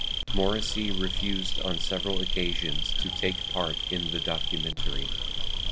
Morrissey refused on several occasions to take part in the documentary.